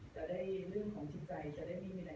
จะได้เรื่องของจิตใจจะได้ไม่มีอะไร